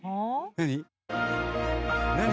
何？